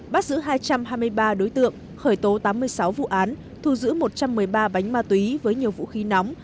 bắt giữ hai trăm hai mươi ba đối tượng khởi tố tám mươi sáu vụ án thu giữ một trăm một mươi ba bánh ma túy với nhiều vũ khí nóng